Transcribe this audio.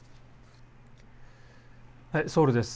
ソウルです。